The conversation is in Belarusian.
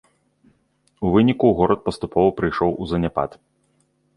У выніку горад паступова прыйшоў у заняпад.